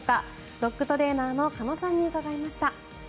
ドッグトレーナーの鹿野さんに伺いました。